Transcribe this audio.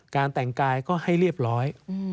แต่งกายก็ให้เรียบร้อย